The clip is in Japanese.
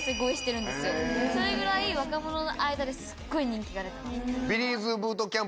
それぐらい若者の間ですっごい人気が出てます。